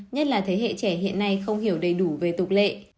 nhất là thế hệ trẻ hiện nay không hiểu đầy đủ về tục lệ